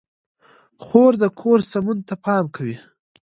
خور د کور سمون ته پام کوي.